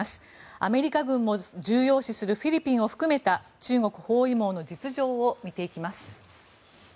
アメリカ軍も重要視するフィリピンを含めた中国包囲網の実情を見ていきます。